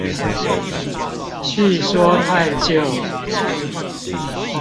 敘說探究